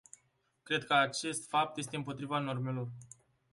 Cred că acest fapt este împotriva normelor.